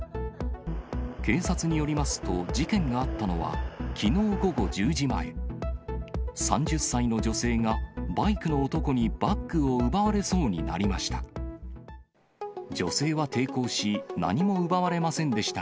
警察によりますと、事件があったのは、きのう午後１０時前、３０歳の女性が、バイクの男にバッグを奪われそうになりました。